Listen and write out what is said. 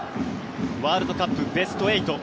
ワールドカップ、ベスト８。